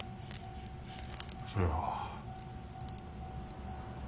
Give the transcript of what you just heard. そそれは。